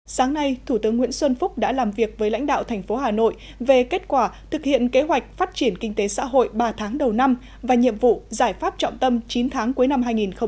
sáng nay thủ tướng nguyễn xuân phúc đã làm việc với lãnh đạo thành phố hà nội về kết quả thực hiện kế hoạch phát triển kinh tế xã hội ba tháng đầu năm và nhiệm vụ giải pháp trọng tâm chín tháng cuối năm hai nghìn một mươi chín